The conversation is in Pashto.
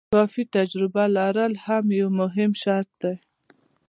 کافي تجربه لرل هم یو مهم شرط دی.